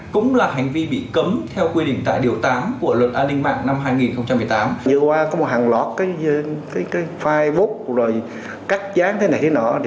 cũng là hành vi bị cấm theo quy định tại điều tám của luật an ninh mạng năm hai nghìn một mươi tám